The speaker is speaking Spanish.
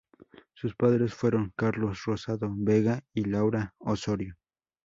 Sus padres fueron Carlos Rosado Vega y Laura Osorio.